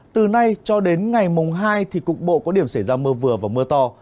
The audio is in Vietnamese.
từ nay cho đến ngày mùng hai thì cục bộ có điểm xảy ra mưa vừa và mưa to